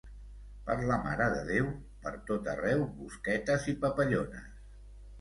Per la Mare de Déu, pertot arreu, bosquetes i papallones.